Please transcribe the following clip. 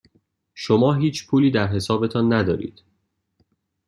شما هیچ پولی در حسابتان ندارید.